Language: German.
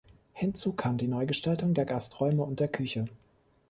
Hinzu kam die Neugestaltung der Gasträume und der Küche.